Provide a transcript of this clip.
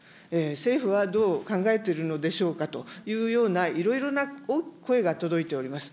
政府はどう考えているのでしょうかというようないろいろな声が届いております。